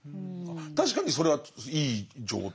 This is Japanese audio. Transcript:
確かにそれはいい状態。